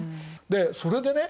でそれでね